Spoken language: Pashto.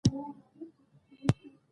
د بامیان غنم په سړو سیمو کې کیږي.